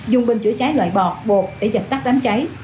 dùng bên chữa cháy loại bọt bột để giật tắt đám cháy